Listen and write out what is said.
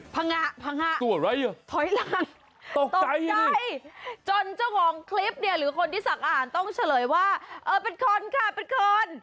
พังฮะพังฮะถอยล่างตกใจจนเจ้าห่องคลิปเนี่ยหรือคนที่สักอ่านต้องเฉลยว่าเออเป็นคนค่ะเป็นคน